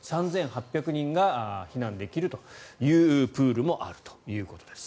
３８００人が避難できるというプールもあるということです。